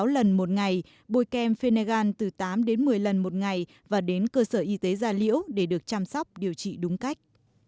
bốn sáu lần một ngày bôi kem pheneggan từ tám một mươi lần một ngày và đến cơ sở y tế gia liễu để được chăm sóc điều trị đúng cách